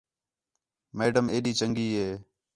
میڈم ہے ݙی چنڳی ہے